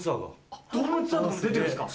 ドームツアーとかも出てるんすか？